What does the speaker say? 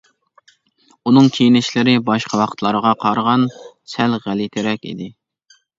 ئۇنىڭ كىيىنىشلىرى باشقا ۋاقىتلارغا قارىغان سەل غەلىتىرەك ئىدى.